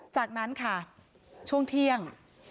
จากนั้นค่ะช่วงเที่ยง